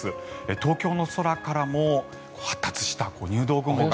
東京の空からも発達した入道雲が。